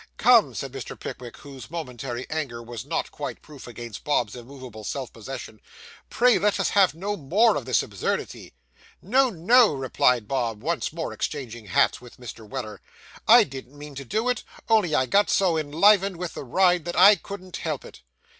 'Come,' said Mr. Pickwick, whose momentary anger was not quite proof against Bob's immovable self possession, 'pray let us have no more of this absurdity.' 'No, no,' replied Bob, once more exchanging hats with Mr. Weller; 'I didn't mean to do it, only I got so enlivened with the ride that I couldn't help it.